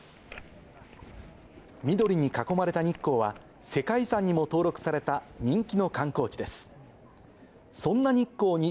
緑に囲まれた日光は、世界遺産にも登録された人気の観光地です。